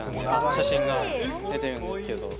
写真が出てるんですけど。